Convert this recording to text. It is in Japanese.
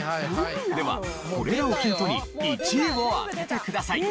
ではこれらをヒントに１位を当ててください。